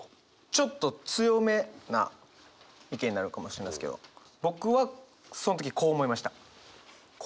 ちょっと強めな意見になるかもしれないですけど僕はその時こう思いました。